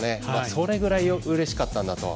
それぐらいうれしかったんだと。